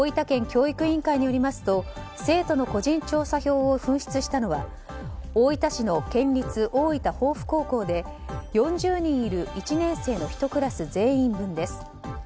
教育委員会によりますと生徒の個人調査票を紛失したのは大分市の県立大分豊府高校で４０人いる１年生の１クラス全員分です。